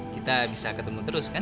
kita bisa ketemu terus kan